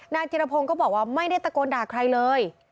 นายทีระพงก็บอกว่าไม่ได้ตะโกนด่าใครเลย